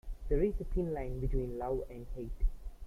There is a thin line between love and hate.